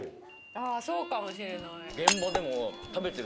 ああそうかもしれない。